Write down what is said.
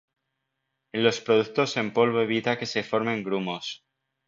En los productos en polvo evita que se formen grumos.